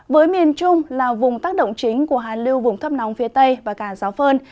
với miền trung là vùng tác động chính của hà lưu vùng thấp nóng phía tây và cả giáo phơn